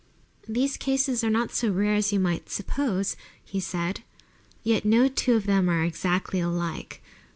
"These cases are not so rare as you might suppose," he said; "yet no two of them are exactly alike.